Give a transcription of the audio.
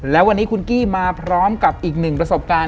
แล้ววันนี้คุณกี้มาพร้อมกับอีกหนึ่งประสบการณ์